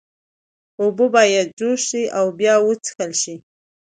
اوبه باید جوش شي او بیا وڅښل شي۔